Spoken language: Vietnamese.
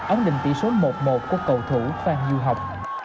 ống định tỷ số một một của cầu thủ phan du học